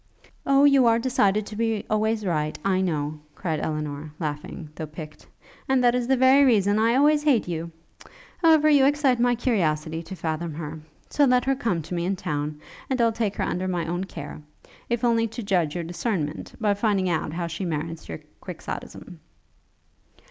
'Oh, you are decided to be always right, I know!' cried Elinor, laughing, though piqued; 'and that is the very reason I always hate you! However, you excite my curiosity to fathom her; so let her come to me in town, and I'll take her under my own care, if only to judge your discernment, by finding out how she merits your quixotism.'